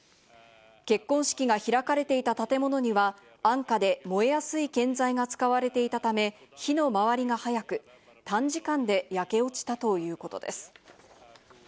結婚式が開かれていた建物には、安価で燃えやすい建材が使われていたため、火の回りが早く、短時間で焼け落ちたということです。